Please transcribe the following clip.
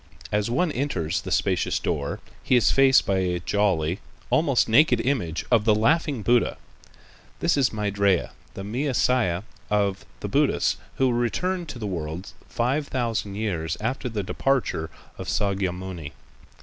As one enters the spacious door, he is faced by a jolly, almost naked image of the "Laughing Buddha." This is Maitrêya, the Mea siah of the Buddhists, who will return to the world five thousand years after the departure of Sâkyamuni.